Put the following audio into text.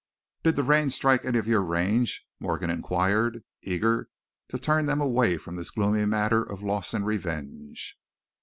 "Did the rain strike any of your range?" Morgan inquired, eager to turn them away from this gloomy matter of loss and revenge.